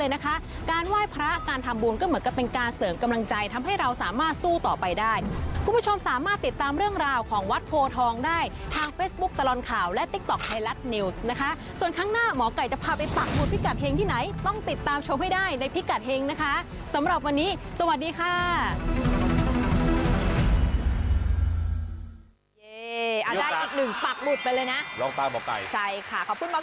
นะคะส่วนข้างหน้าหมอไก่จะพาไปปักหุดพิกัดเฮงที่ไหนต้องติดตามชมให้ได้ในพิกัดเฮงนะคะสำหรับวันนี้สวัสดีค่ะขอบคุณมาก